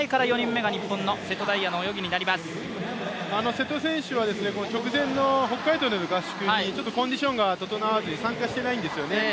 瀬戸選手は直前の北海道の合宿にちょっとコンディションが整わず出場してないんですよね。